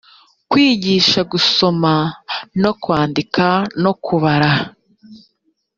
kwigiisha gusoma no kwandika no kubara